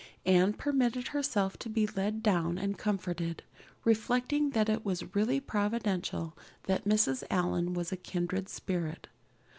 Anne permitted herself to be led down and comforted, reflecting that it was really providential that Mrs. Allan was a kindred spirit.